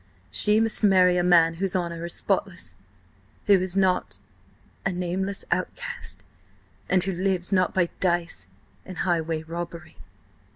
She must marry a man whose honour is spotless; who is not–a nameless outcast, and who lives–not–by dice–and highway robbery."